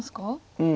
うん？